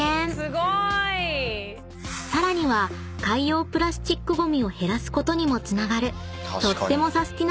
［さらには海洋プラスチックゴミを減らすことにもつながるとってもサスティな！